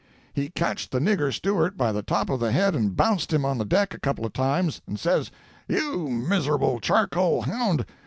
He catched the nigger steward by the top of the head and bounced him on the deck a couple of times, and says: "You miserable charcoal hound!